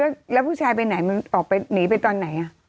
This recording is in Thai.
แล้วผู้ชายไปไหนมันออกไปหนีไปตอนไหน